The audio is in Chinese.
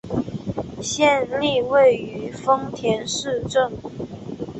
县莅位于丰田市镇。